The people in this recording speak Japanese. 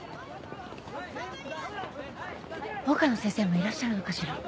桜花の先生もいらっしゃるのかしら。